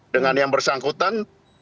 dengan yang bersangkutan